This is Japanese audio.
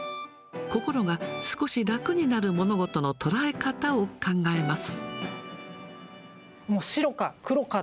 心が少し楽になる物事の捉え方を考えます。